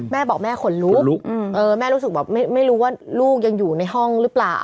แม่บอกแม่ขนลุกแม่รู้สึกแบบไม่รู้ว่าลูกยังอยู่ในห้องหรือเปล่า